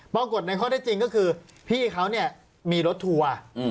ปรากฏในข้อได้จริงก็คือพี่เขาเนี่ยมีรถทัวร์